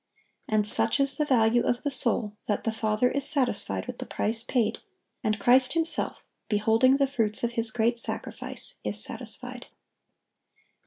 And such is the value of the soul that the Father is satisfied with the price paid; and Christ Himself, beholding the fruits of His great sacrifice, is satisfied.